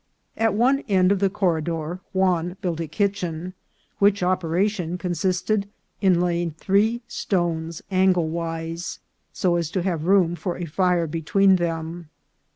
At one end of the corridor Juan built a kitchen, which operation consisted in laying three stones anglewise, so as to have room for a fire between them.